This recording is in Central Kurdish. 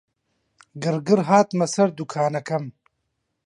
گڕگڕ هاتمەوە سەر دووکانەکەم